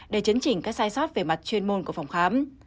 để chấn chỉnh các sai sót về mặt chuyên môn của phòng khám